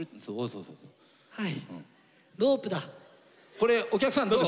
これお客さんどう？